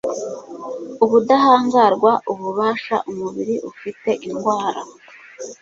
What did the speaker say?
Ubudahangarwa Ububasha umubiri ufite indwara